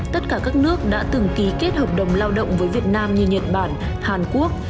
tất cả các nước đã từng ký kết hợp đồng lao động với việt nam như nhật bản hàn quốc